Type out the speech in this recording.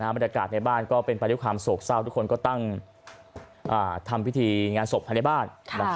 บรรยากาศในบ้านก็เป็นไปด้วยความโศกเศร้าทุกคนก็ตั้งทำพิธีงานศพภายในบ้าน